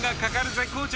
絶好調